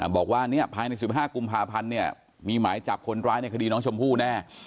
บอกว่าเนี่ยภายใน๑๕กุมภาพันธ์เนี่ยมีหมายจับคนร้ายในคดีน้องชมพู่แน่